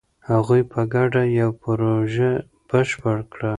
هغوی په ګډه یوه پروژه بشپړه کړه.